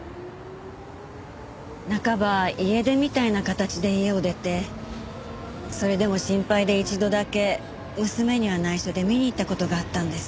半ば家出みたいな形で家を出てそれでも心配で一度だけ娘には内緒で見に行った事があったんです。